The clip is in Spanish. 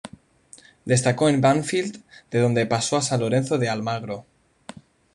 Destacó en Banfield de donde pasó a San Lorenzo de Almagro.